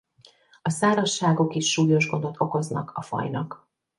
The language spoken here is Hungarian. A szárazságok is súlyos gondot okoznak a fajnak.